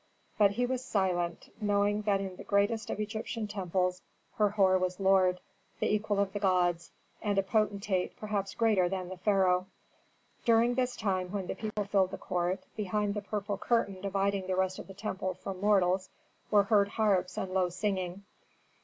But he was silent, knowing that in that greatest of Egyptian temples Herhor was lord, the equal of the gods, and a potentate perhaps greater than the pharaoh. During this time when the people filled the court, behind the purple curtain dividing the rest of the temple from mortals were heard harps and low singing.